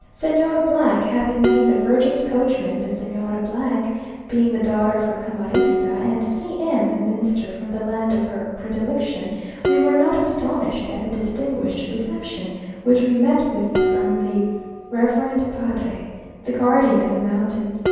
Señor having been the Virgin's coachman, the Señora being the daughter of her camarista, and C n the Minister from the land of her predilection, we were not astonished at the distinguished reception which we met with from the reverend padre, the guardian of the mountain.